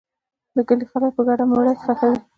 د کلي خلک په ګډه مړی ښخوي.